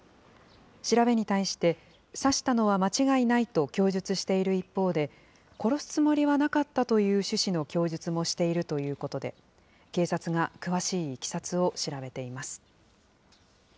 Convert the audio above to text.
調べに対して、刺したのは間違いないと供述している一方で、殺すつもりはなかったという趣旨の供述もしているということで、警察が詳しいいきさつを調べています。